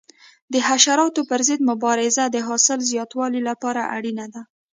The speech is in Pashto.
د حشراتو پر ضد مبارزه د حاصل زیاتوالي لپاره اړینه ده.